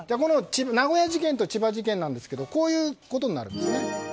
名古屋事件と千葉事件ですがこういうことになるんですね。